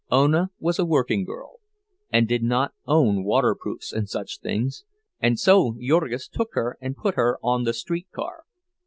Ona was a working girl, and did not own waterproofs and such things, and so Jurgis took her and put her on the streetcar.